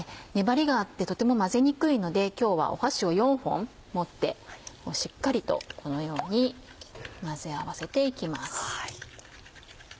粘りがあってとても混ぜにくいので今日は箸を４本持ってしっかりとこのように混ぜ合わせて行きます。